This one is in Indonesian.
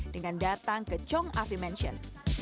dengan datang ke chong avi mansion